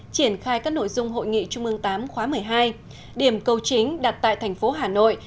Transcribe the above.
triển khai các nội dung hội nghị trung ương viii khóa một mươi hai điểm cầu chính đặt tại thành phố hà nội